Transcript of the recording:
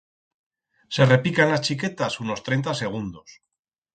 Se repican las chiquetas unos trenta segundos.